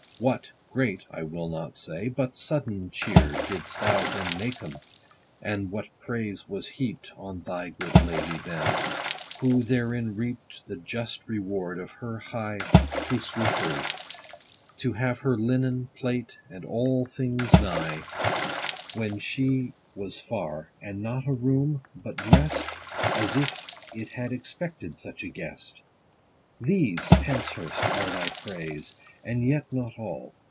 What (great, I will not say, but) sudden chear Didst thou then make 'em ! and what praise was heap'd On thy good lady, then ! who therein reap'd The just reward of her high huswifry ; To have her linen, plate, and all things nigh, When she was far ; and not a room, but drest, As if it had expected such a guest ! These, Penshurst, are thy praise, and yet not all.